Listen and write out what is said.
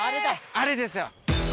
あれですよ。